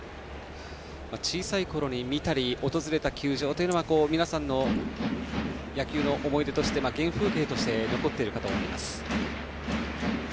小さいころに見たり訪れた球場というのは皆さんの野球の思い出原風景として残っているかと思います。